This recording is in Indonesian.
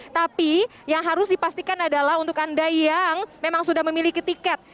tapi yang harus dipastikan adalah untuk anda yang memang sudah memiliki tiket